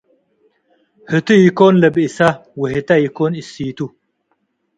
ህቱ ኢኮን ለብእሰ ወህተ ኢኮን እሲቱ